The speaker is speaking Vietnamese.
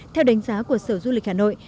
theo đánh giá của sở du lịch hà nội